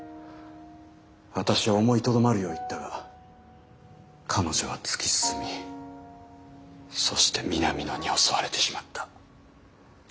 私は思いとどまるよう言ったが彼女は突き進みそして南野に襲われてしまった。